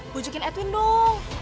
wujudin edwin dong